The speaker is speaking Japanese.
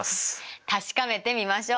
確かめてみましょう。